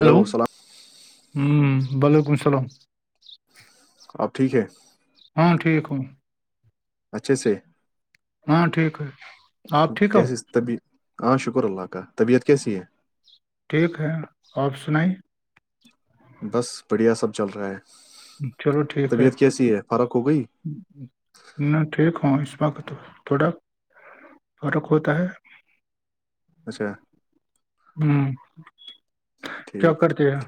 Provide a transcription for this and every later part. Hello سسلام ہوں وعلیکم اللام اب ٹھیک ہے ہاں ٹھیک ہوں اچھے سے ہاں ٹھیک ہے آپ ٹھیک ہو طبیع ہاں شکر اللہ کا طبیعت کیسی ہے ٹھیک ہے آپ سنائی بس بڑھیا سب چل رہا ہے چلو ٹھیک ہے طبیعت کیسی ہے فرق ہو گئی میں ٹھیک ہوں اس وق تو تھوڑا فرق ہوتا ہے اچھا ہوں ٹھیک ٹھیک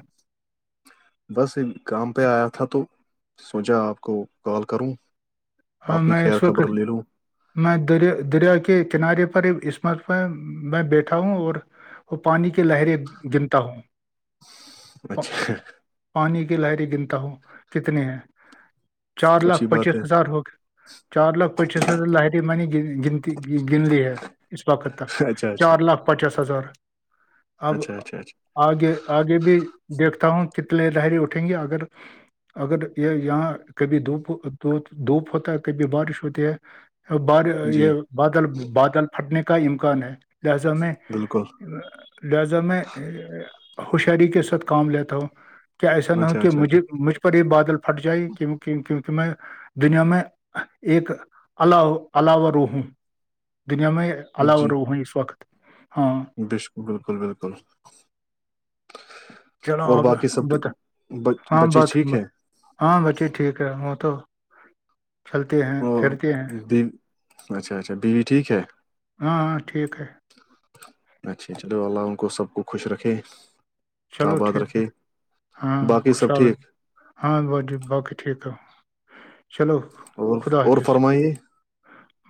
بس کام پہ آیا تھا تو سوچا آپ کو کال کروں ہاں آپ کی میں خیر ایشور کے خبر لے لوں میں دریا دریا کے کنارے پر اسمت میں میں بیٹھا ہوں اور وہ پانی کے لہریں گنتا ہوں پا- اچھا پانی کی لاہری گنتا ہوں کتنے ہیں چار اچھی لاکھ بات پچیس ہے ہزار ہو کے چار لاکھ پچیس ہزار لہری منی گن گن لی ہے اس وقت تک اچھا اچھا چار لاکھ پچاس ہزار اب اچھا اچھا اچھا آگے آگے بھی دیکھتا ہوں کتنے لہر اٹھیں گے اگر اگر یہ یہاں کبھی دو دو پ کبھی بارش ہوتی ہے بار جی یہ بادل بادل پھٹنے کا امکان ہے لہذا میں بالکل لہذا میں ہوشیاری کے ساتھ کام لیتا ہوں کیا ایسا نہ ہو اچھا کہ اچھا اچھا مجھے مجھ پر یہ بادل پھٹ جائے کی کیونکہ میں دنیا میں ایک ال الاو روحوں دنیا میں اللہ الرحم اس وقت ہاں بک بالکل بالکل چلو اور آپ باقی سب بتا ہاں بچے بات ٹھیک ہے ہاں بچے ٹھیک رہ ہوں تو چلتے ہیں اور پھیھرتے ہیں بیوی- اچھا اچھا بیوی ٹھیک ہے ہاں ہاں ٹھیک ہے اچھے چلو اللہ ان کو سب کو خوش رکھے آ چلو بات ٹھیک ہے رکھی ہاں باقی سب خوشحال ٹھیک ہاں ب جی باقی ٹھیک ہے چلو اور خدا اور حافظ فرمائیے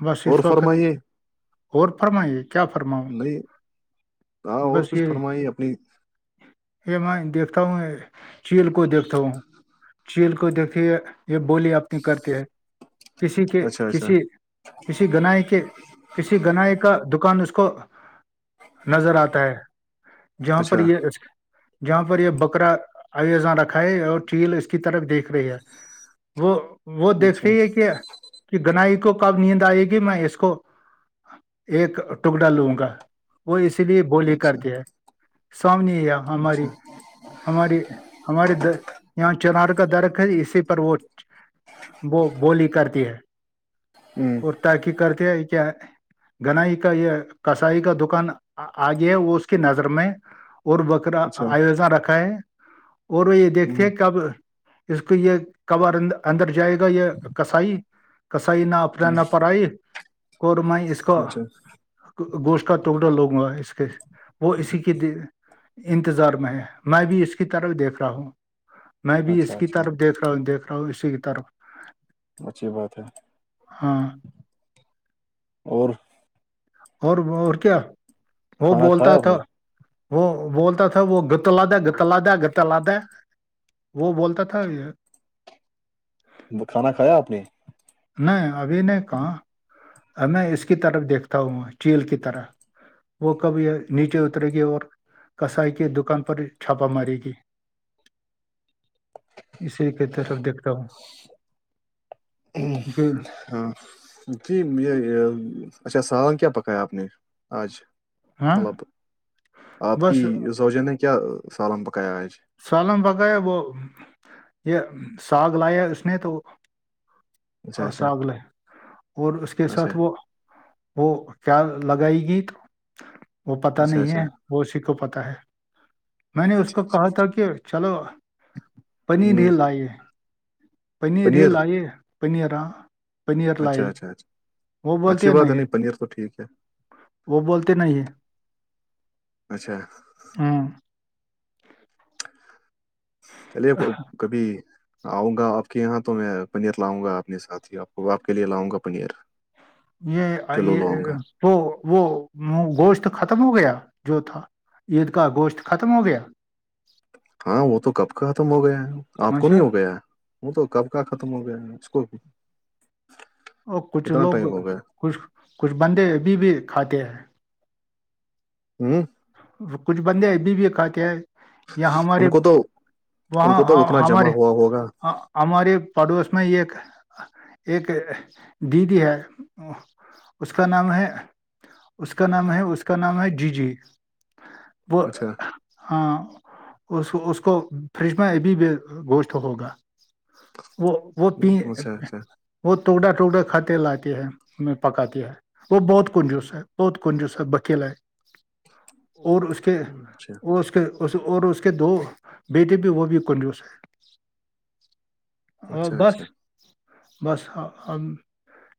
بس اس اور وقت فرمائیے اور فرمائیے کیا فرماؤ نہیں ہاں اور کچھ فرمائی اپنی یہ میں دیکھتا ہوں یہ چیل کو دیکھتا ہوں چیل کو دیکھتی ہے یہ بولی اپنی کرتی ہے کسی کے اچھا اچھا کسی کسی گنائی کے کسی گنائی کا دکان اس کو نظر آتا ہے جہاں پر اچھا یہ اس جہاں پر یہ بکرا اوزاں رکھا ہے اور چیل اس کی طرف دیکھ رہی ہے وہ وہ دیکھ اچھا رہ ہے کہ کہ گنائی کو کب نت آئے گی میں اس کو ایک ٹکڑا لوں گا وہ اس لیے بولی اچھا کرتی ہے سامنی اچھا ہماری ہمارے د یہاں چنار کا درخ ہے اسی پر وہ وہ بولی کرتی ہے ہ تا کی کرتے ہے کیا گنائی کا یہ کسائی کا دکان آ گیا ہے وہ اس کی نظر میں اور وہ اچھا آیوجنا رکھا ہے اور وہ یہ دیکھتے ہ ہیں کہ اب اس کو یہ کبر اندر جائے گا یہ کسائی کسائی نہ اپنا نہ پڑائی اور میں اس کا اچھا گوشت کا ٹکڑا لوگوںا اس کے وہ اسی کی انتظار میں ہے میں بھی اس کی طرف دیکھ رہا ہوں میں بھی اچھا اس کی اچھا طرف دیکھ رہا ہوں دیکھ رہا ہوں اسی کی طرف اچھی بات ہے ہاں اور اور اور کیا وہ کھانا کھایا بولتا آپ تھا نے وہ بولتا تھا وہ گ لادا گتلا دا گت ل دا وہ بولتا تھا کھانا کھایا آپ نے نہیں ابھی نے کہاں میں اس کی طرف دیکھتا ہوں چیل کی طرف وہ کب نیچے اترے گی اور کسائی کی دکان پر چھاپا مارے گی [unintelligible] اسی کی طرف دیکھتا ہوں ہ جی ہاں جی یہ اچھا سالان کیا پکایا آپ نے آج ہاں مطلب آپ کی بس سوج نے کیا سالم پکایا آج سالم بق ہے وہ یہ ساگ لایا اس نے تو اچھا اچھا ساگ ل ہے اور اس کے اچھا ساتھ وہ وہ کیا لگائے گی تو وہ پتا اچھا نہیں اچھا ہے وہ اسی کو پتا ہے میں نے اس اچھا کو اچھا کہا تھا کہ چلو پنی ہ ڈھیل لائیے پنیر ہی لائیے پنیرا پنیر اچھا لائی اچھا اچھا وہ اچھی بولتے بات ہے نہیں پنیر تو ٹھیک ہے وہ بولتے نہیں ہے اچھا ہاں چلیے کبھی آؤں گا آپ کے یہاں تو میں پنیر لاؤں گا اپنے ساتھ ہی آپ کو آپ کے لیے لاؤں گا پنیر [unintelligible] یہ کلو یہ لاؤں گا وہ وہ گوشت ختم ہو گیا جو تھا عید کا گوشت ختم ہو گیا ہاں وہ تو کب ختم ہو گیا ہے آپ کو اچھا نہیں ہو گیا ہے وہ تو کب کا ختم ہو گیا ہے اس کو بھی اور کچھ لوگ کچھ کچھ بندے ابھی بھی کھاتے ہیں ہوں وہ کچھ بندے ابھی بھی کھےئے یا ہمارے ان کو تو وہ ان کو تو اتنا جمع ہمارے ہوا ہوگا ہ ہمارے پڑوس میں ایک ایک دیدی ہے اس کا نام ہے اس کا نام ہے اس کا نام ہے جی جی وہ اچھا ہاں اس اس کو فریج میں ابھی گوشت ہوگا وہ وہ پی اچھا اچھا وہ ٹکڑا ٹکڑا کھاتے لاتی ہے پکاتی ہے وہ بہت کنجوس ہے بہت کنجوس ہے بکیلا ہے اور اس کے اچھا اور اس کے اور اس کے دو بیٹے بھی وہ بھی کنجوش ہیں ا اچھا بس اچھا بس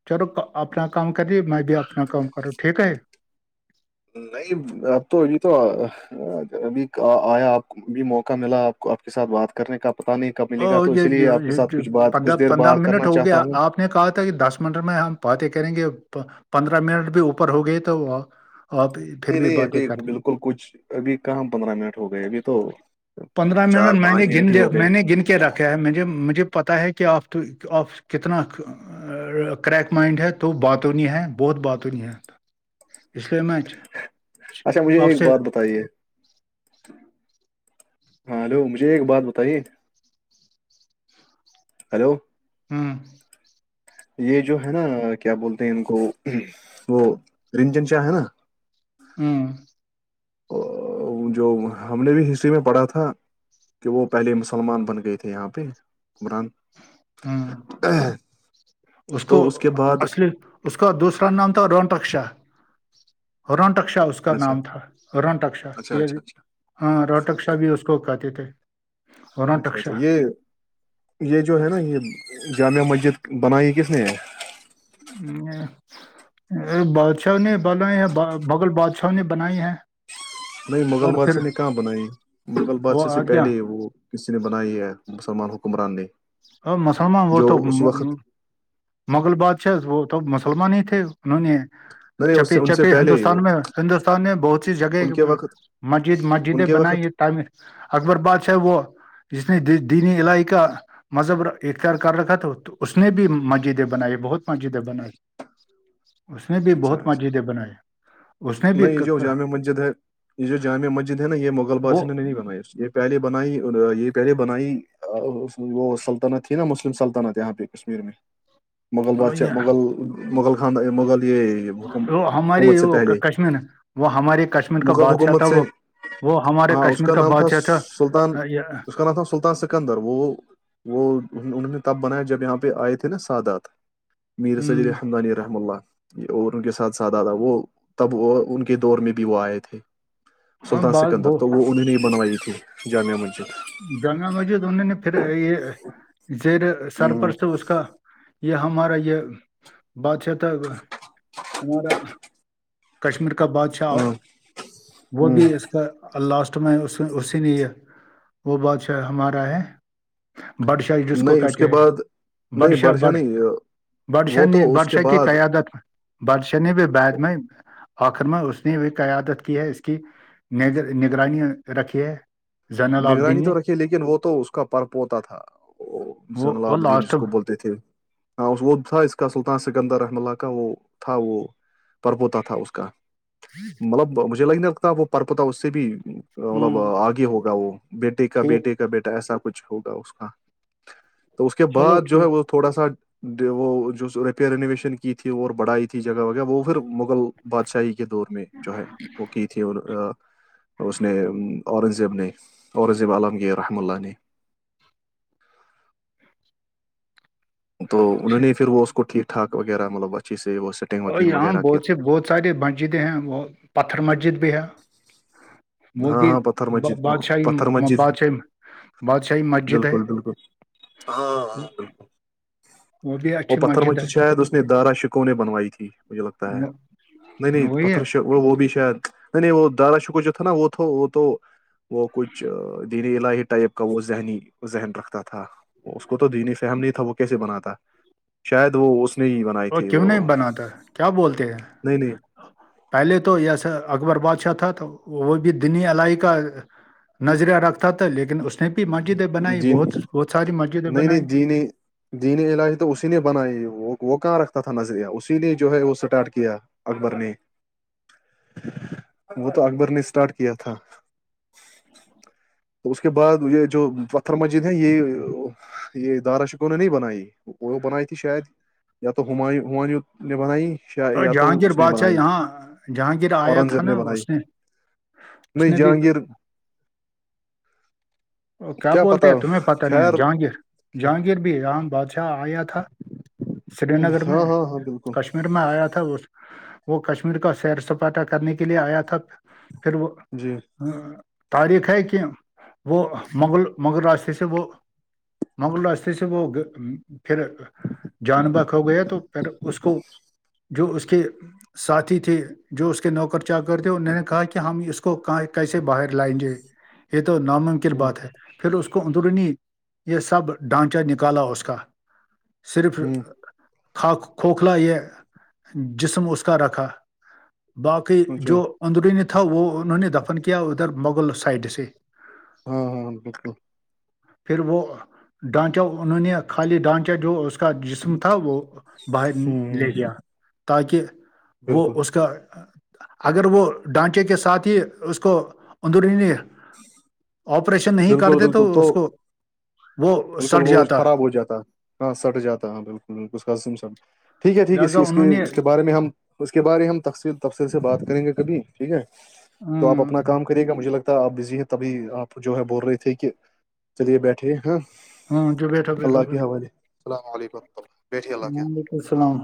چلو اپنا کام کریے میں بھی اپنا کام کروں ٹھیک ہے نہیں اب تو یہی تو ابھی آیا آپ کو بھی موقع ملا آپ کو آپ کے ساتھ بات کرنے کا پتا نہیں کا ملے گا اور تو اسی یہ لیے آپ کے ساتھ کچھ بات کچھ دیر باہر کرنا چاہتا ہوں آ نے کہا تھا کہ دس منٹ میں ہم باتیں کریں گے پندرہ منٹ بھی اوپر ہو گئے تو ہ تو نہیں نہیں ابھی بالکل کچھ ابھی کہم پندرہ منٹ ہو گئے ابھی تو پندرہ چار منٹ میں نے پانچ گن منٹ ہی لیا ہو گئے میں نے گن رکھا ہے مجھ مجھے پتا ہے کہ آپ آپ کتنا کریک مائنڈ ہے تو باتوں نہیں ہے بہت باتوں نہیں ہے تو اس لیے میچ اچھا مجھے ایک بات بتائیے ہاں ہلو مجھے ایک بات بتائیے ہیلو ہوں یہ جو ہے نا کیا بولتے ہیں ان کو وہ رنجن چاہ ہے نا ہاں جو ہم نے بھی ہسٹری میں پڑھا تھا کہ وہ پہلے مسلمان بن گئے تھے یہاں پہ عمران ہوں اس کو تو کے بعد اصل اس کا دوسرا نام تھا رونٹکشا رونٹکشا اس اس کا اچھا نام تھا رٹکشا اچھا یہ اچھا اچھا ہاں رٹکشا بھی اس کو کہتے تھے اچھا رونٹک اچھا شاہ یہ یہ جو ہے نا یہ جامع مسجد بنائی کس نے ہے [unintelligible] بادشاہ نے بنائے ہیں بغل بادشاہ نے بنائی ہے نہیں مغل بادشاہ نے کہاں بنائی مغل وہ بادشاہ سے آ گیا پہلے ہی وہ کسی نے بنائی ہے مسلمان حکمران نے ا مسلمان وہ جو تو اس وقت مغل بادشاہ وہ تو مسلمان ہی تھے انہوں نے نہیں اس چپی سے ان سے چپی پہلے ہندوستان میں ہندوستان نے بہت سی جگہ ان کے وقت مسجد ان مسجدیں کے وقت بنائی تعمیر اکبر باد صاحب وہ جس نے دینی الائی کا مذہب اختیار کر رکھا تھا تو اس نے بھی مسجد بناائے بہت م جید بنائے اس نے بھی اچھا بہت اچھا مسجدیں بنائی اس نے بھی ع مسجد ہے یہ جو جامع مسجد ہے نا یہ مغل بادش وہ نےنی بنائی اس یہ پہلے بنائی یہ پہلے بنائی وہ سلطنت تھی نا مسلم سلطنت یہاں پہ کشمیر میں مغل بادشاہ یہ- مغل مغل خاند مغل یہ حکم وہ ہماری حکومت سے وہ پہلے کشمیر وہ ہماری کشمیر کا مغل بادشاہ حکومت تھا سے وہ وہ ہمارے ہاں اس کشمیر کا نام تھا بادشاہ سلطان آ، یہ، اس کا نام تھا سلطان س اندر وہ وہ انہوں نے تب بنایا جب یہاں پہ آئے تھے نا سادات میر صدی ہم، الحمدانی رحم اللہ اور ان کے ساتھ سادہ تھا وہ تب وہ ان کے دور میں بھی وہ آئے تھے ہاں سلطان سے بات کے اندر بہت تو وہ انہوں نے ہی بنوائی تھی جامعہ مسجد گنگا مجود انہوں نے پھر یہ زیر سر پر سے اس کا یہ ہمارا یہ باتشاہ تھا ہمارا کشمیر کا بادشاہ وہ بھی اس کا لاسٹ میں اس اسی نے یہ وہ بادشاہ ہمارا ہے بڈشاہ جس کوو نہیں اس کے کاٹے ہیں بعد بڈ نہیں شاہ بادشاہ بڈ نہیں بادشاہ وہ نےی تو اس کے بادشاہ کی بعد قیادت بادشاہ نےی بھی باد میںاہ آخر میں اس نے وہ قیادت کی ہے اس کی نگرانی رکھی ہے جنرل آف نہیں تو رکھی لیکن وہ تو اس کا پر پوتا تھا وہ وہ زنالابدین لاسٹ جس کو میں۔ بولتے تھے ہ اس وہ تھ تھا اسس ق اصل ت سکندر احمللالہاہ وہ تھ تھا وہ پرپوتا تھا اس کا [unintelligible] مطلب مجھے لگ نہیں لگتا وہ پرپتا اس سے بھی مطلب ہوں آگے ہوگا وہ بیٹے کا ٹھیک بیٹے کا بیٹا ایسا کچھ ہوگا اس کا تو اس کے چلو بعد جو ہے ٹھیک وہ تھوڑا سا وہ جو ریپیئر رینویشن کی تھی اور بڑھائی تھی جگہ وغیرہ وہ پھر مغل بادشاہی کے دور میں جو ہے وہ کی تھی اس نے اورنگزیب نے اور رضیب عالمگیر رحم اللہنی تو انہوں نے پھر وہ اس کو ٹھیک ٹھاک وغیرہ مطلب اچھی سے ہو اور یہاں بہت س بہت ساری مسجدیں ہیں بت پتھر مسجد بھی ہے وہ ہاں بھی ہاں پتھر با- مسجد بادشاہی پتھر مسجد بھی بادشاہی بادشاہی مسجد ہے بالکل بالکل ہاں وہ ہاں بالکل بھی وہ اچھی پتھر مسجد مچ ہے شا ہےید اس نے دارا شکو نے بنوائی تھی مجھے لگتا ہے وہ- نہیں نہیں وہی ہے پتر ش وہ وہ بھی شاید نہیں نہیں وہ دارا شکر جو تھا نا وہ تو وہ تو وہ کچھ دینی الہی ٹائپ کا وہ ذہنی ذہن رکھتا تھا اس کو تو دینی فم نہیں تھا وہ کیسے بنااتا شاید وہ اس نے ہی بنائی وہ تھی کیوں نہیں بناتا کیا بولتے ہیں نہیں نہیں پہلے تو یسا اکبر بادشاہ تھا تو وہ بھی دنی الائی کا نظر رکھتا تھا لیکن اس نے بھی مسجدیں بنائی دین بہت بہت ساری مسجدیں نہیں بنائی نہیں دینی علاج تو اسی نے بنائی وہ وہ کہاں رکھتا تھا نظریہ اسی نے جو ہے وہ اسٹارٹ کیا اکبر نے وہ تو اکبر نے اسٹارٹ کیا تھا تو اس کے بعد یہ جو پتھر مسجد ہے یہ یہ دارا شکوں نے نہیں بنائی وہ بنائی تھی شاید یا تو ہما ہماوں نے بنائی اور یا تو جہانگیر اس نے بادشاہ بنائی یہاں جہانگیر آیا اورنگ تھا زیب نے نا بنائی اس ن اس نے بھی جہانگیر کیا بولتے ہیں تمہیں پتہ نہیں ہے خیر جہانگیر جہانگیر بھی رام بادشاہ آیا تھا سری نگر میں ہاں ہاں ہاں بالکل کشمیر میں آیا تھا وہ کشمیر کو سیر سپاٹا کرنے کے لے آیا تھا پھر وہ جی تاریخ ہے کہ وہ مغل مغل راستے سے وہ مغل راستے سے وہ پھر جان بک ہو گیا تو پھر اس کو جو اس کے ساتھی تھے جو اس کے نوکر چا کرتےے انہوں نے کہا کہ ہم اس کو کیسے باہر لائیں گے یہ تو ناممکن ہ بات ہے پھر اس کو اندرونی یہ سب ڈھانچا نکالا اس کا صرف ہ کاک کھوکھلا یہ جسم اس کا رکھا باقی اچھا جو اندرونی تھا وہ انہوں نے دفن کیا ادھر مغل سائڈ سے ہاں ہاں بالکل پھر وہ ڈانچا انہوں نے خالی ڈانچا جو اس کا جسم تھا وہ باہر ہ لے لیا تاکہ وہ بالکل اس کا اگر وہ ڈھانچے کے ساتھ ہی اس کو اندرونی آپریشن نہیں بالکل کرتے بالکل تو اس کو وہ بالکل سٹ وہ جاتا خراب ہو جاتا ہاں سٹ جاتا ہ بالکل بالکل اس کا س ٹھیک ہے ٹھیک ہے اس لہذا اسس انہوں نے اس کے بارے میں ہم اس کے بارے ہم تفل تفصل سے بات کریں گے کبھی ٹھیک ہے تو آپ ہاں اپنا کام کرے گا مجھے لگتا ہے آپ بزی ہیں تبھی آپ جو ہے بول رہے تھے کہ چلیے بیٹھے ہ ہاں جو بیٹھو بیٹھو اللہ کے بیٹھو حوالے السلام علیکم وورحمۃ ال وعلیکم السلام